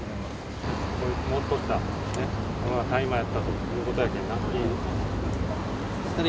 持っとったものが大麻やったということやけんな、いいね。